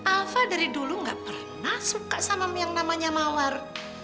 alfa dari dulu gak pernah suka sama yang namanya mawar